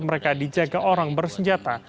mereka dijaga orang bersenjata